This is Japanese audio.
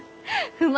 不満？